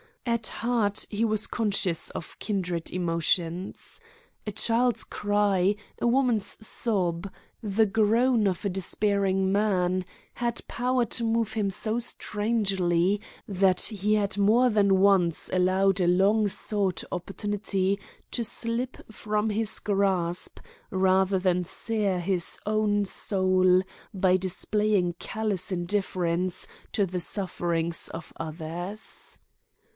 At heart he was conscious of kindred emotions. A child's cry, a woman's sob, the groan of a despairing man, had power to move him so strangely that he had more than once allowed a long sought opportunity to slip from his grasp rather than sear his own soul by displaying callous indifference to the sufferings of others.